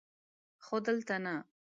خو دلته نه!